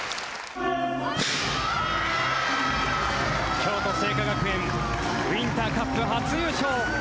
京都精華学園ウインターカップ初優勝！